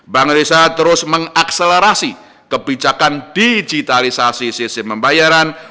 bank indonesia terus mengakselerasi kebijakan digitalisasi sistem pembayaran